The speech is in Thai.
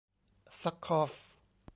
ซัคคอฟ